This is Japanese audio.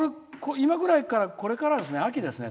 今ぐらい、これからですね。